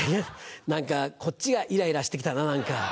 何かこっちがイライラして来たな。